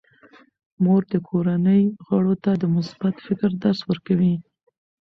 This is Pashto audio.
مور د کورنۍ غړو ته د مثبت فکر درس ورکوي.